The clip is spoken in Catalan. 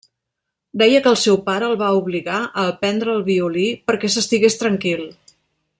Deia que el seu pare el va obligar a aprendre el violí perquè s'estigués tranquil.